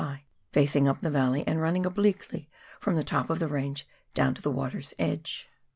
high, facing up the valley, and running obliquely from the top of the range down to the water's edge.